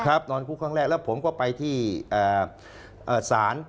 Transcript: นอนคุกครั้งแรกแล้วผมก็ไปที่ศาล